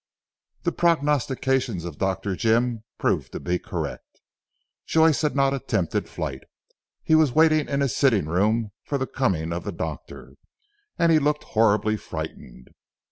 The prognostications of Dr. Jim proved to be correct. Joyce had not attempted flight. He was waiting in his sitting room for the coming of the doctor, and he looked horribly frightened.